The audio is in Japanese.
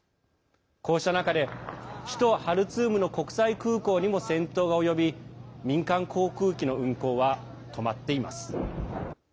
こうした中で、首都ハルツームの国際空港にも戦闘が及び民間航空機の運航は止まっています。